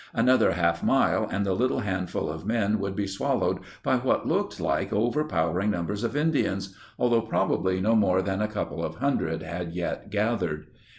Another half mile and the little handful of men would be swallowed by what looked like over powering numbers of Indians, although probably no more than a couple of hundred had yet gathered.